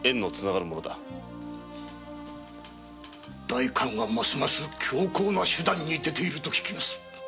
代官はますます強硬な手段に出ているとか。